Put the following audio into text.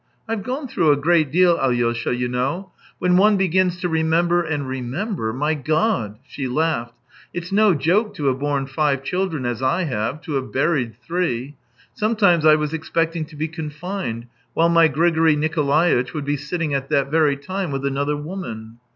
I've gone through a great deal, Alyosha, you know. When one begins to remember and remember. ... My God !" She laughed. " It's no joke to have borne five children as I have, to have buried three. ... Sometimes I was expect ing to be confined while my Grigory Nikolaitch would be sitting at that very time with another woman.